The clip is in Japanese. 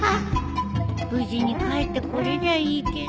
無事に帰ってこれりゃいいけど。